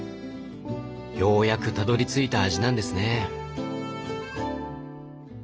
ようやくたどりついた味なんですね。